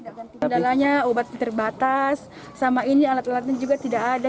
kondalanya obat terbatas sama ini alat alatnya juga tidak ada